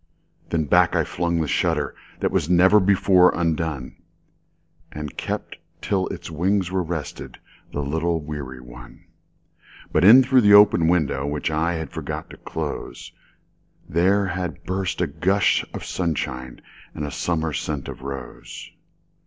Then back I flung the shutterThat was never before undone, And I kept till its wings were restedThe little weary one. But in through the open window, Which I had forgot to close, There had burst a gush of sunshineAnd a summer scent of rose.